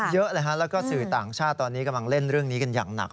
เยอะเลยฮะแล้วก็สื่อต่างชาติตอนนี้กำลังเล่นเรื่องนี้กันอย่างหนัก